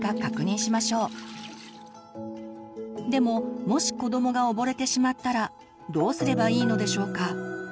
でももし子どもが溺れてしまったらどうすればいいのでしょうか？